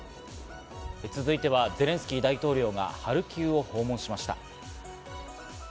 続いてはゼレンスキー大統領がハルキウを訪問しました。